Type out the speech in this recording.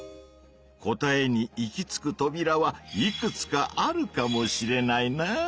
答えに行き着くトビラはいくつかあるかもしれないなぁ。